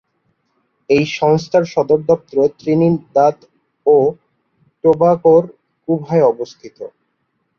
এই সংস্থার সদর দপ্তর ত্রিনিদাদ ও টোবাগোর কুভায় অবস্থিত।